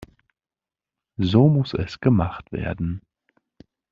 So muss es gemacht werden.